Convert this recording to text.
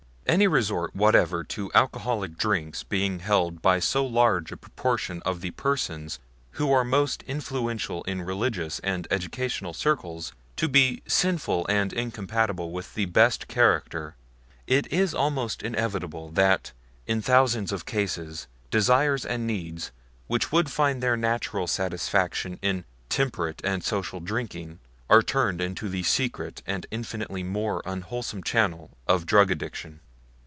Any resort whatever to alcoholic drinks being held by so large a proportion of the persons who are most influential in religious and educational circles to be sinful and incompatible with the best character, it is almost inevitable that, in thousands of cases, desires and needs which would find their natural satisfaction in temperate and social drinking are turned into the secret and infinitely more unwholesome channel of drug addiction.